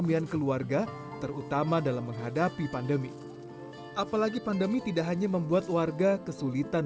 dia kutahui termilai pilihan dar dan pegangan